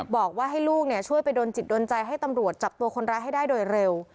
บอกว่าให้ลูกช่วยไปโดนจิตโดนใจให้ตำรวจจับตัวคนร้ายให้ได้โดยเร็ว